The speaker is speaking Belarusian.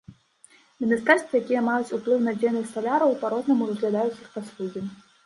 Міністэрствы, якія маюць уплыў на дзейнасць салярыяў па-рознаму разглядаюць іх паслугі.